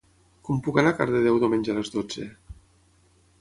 Com puc anar a Cardedeu diumenge a les dotze?